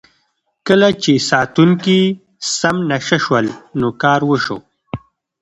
کله چې ساتونکي سم نشه شول نو کار وشو.